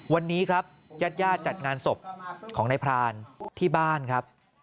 วันนี้ครับญาติญาติจัดงานศพของนายพรานที่บ้านครับ